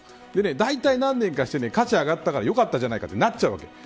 だいたい何年かして、価値が上がったからよかったじゃないかとなっちゃうわけです。